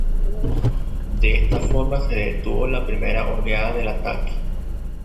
De esta forma se detuvo la primera oleada del ataque.